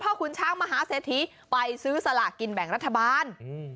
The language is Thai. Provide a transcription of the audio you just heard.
เพราะคุณช้างมหาเสธิไปซื้อสลากกินแบ่งรัฐบาล